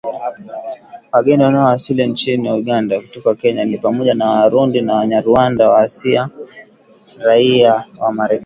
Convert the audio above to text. Wageni wanaowasili nchini Uganda kutoka Kenya ni pamoja na Warundi Wanyarwanda, waasia raia wa Marekani